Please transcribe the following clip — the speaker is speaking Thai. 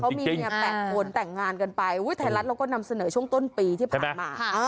เขามีเมีย๘คนแต่งงานกันไปไทยรัฐเราก็นำเสนอช่วงต้นปีที่ผ่านมา